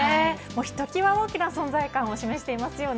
ひときわ大きな存在感を示していますよね。